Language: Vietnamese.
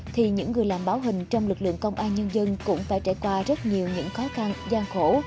thì những người làm báo hình trong lực lượng công an nhân dân cũng phải trải qua rất nhiều những khó khăn gian khổ